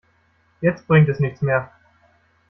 Jetzt bringt es nichts mehr.